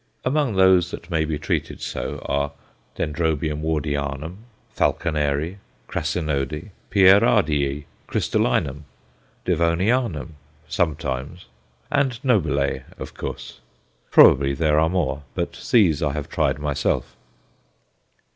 Among those that may be treated so are D. Wardianum, Falconeri, crassinode, Pierardii, crystallinum, Devonianum sometimes and nobile, of course. Probably there are more, but these I have tried myself.